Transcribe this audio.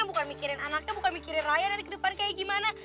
bukan mikirin anaknya bukan mikirin raya nanti ke depan kayak gimana